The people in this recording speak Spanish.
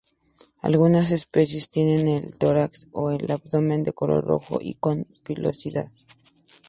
Algunas especies tienen el tórax o el abdomen de color rojo y con pilosidad.